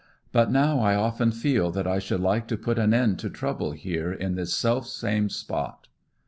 But now I often feel that I should like to put an end to trouble here in this self same spot.